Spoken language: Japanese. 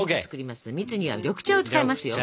蜜には緑茶を使いますよ。